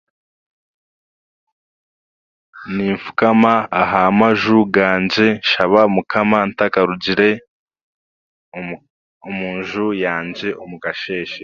Ninfukama aha maju gangye nshaaba mukama ntakarugiire omunju yangye omukasheeshe.